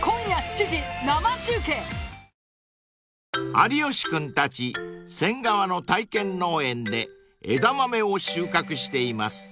［有吉君たち仙川の体験農園で枝豆を収穫しています］